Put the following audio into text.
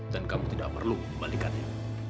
dan kamu tidak perlu kembalikannya